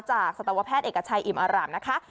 จากสตวแพทย์เอกชัยอิมอร่ำนะคะ